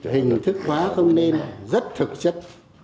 hình thức hóa không nên rất thực chất